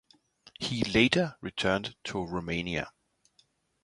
He later returned to Romania.